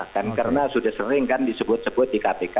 karena sudah sering disebut sebut di kpk